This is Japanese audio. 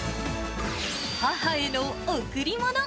母への贈り物！